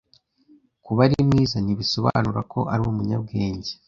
Kuba ari mwiza, ntibisobanura ko ari umunyabwenge.